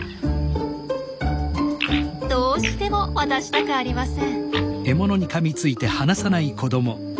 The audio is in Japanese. どうしても渡したくありません。